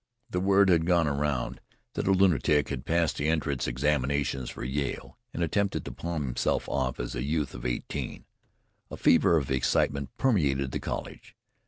The word had gone around that a lunatic had passed the entrance examinations for Yale and attempted to palm himself off as a youth of eighteen. A fever of excitement permeated the college.